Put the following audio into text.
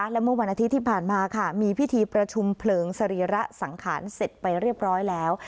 และเมื่อวันอาทิตย์ที่ผ่านมาค่ะมีพิธีประชุมเพลิงสรีระสังขารเสร็จไปเรียบร้อยแล้ว